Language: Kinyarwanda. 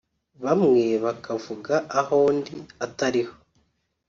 bamwe bakavuga aho ndi atariho